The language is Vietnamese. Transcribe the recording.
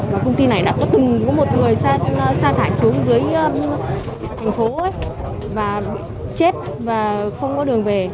và công ty này đã có từng có một người xa thải xuống dưới thành phố và chết và không có đường về